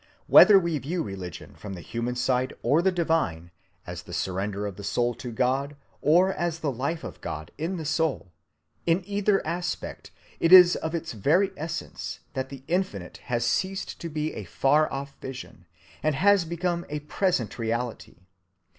Whether we view religion from the human side or the divine—as the surrender of the soul to God, or as the life of God in the soul—in either aspect it is of its very essence that the Infinite has ceased to be a far‐off vision, and has become a present reality.